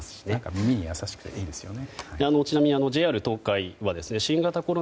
耳に優しくていいですね。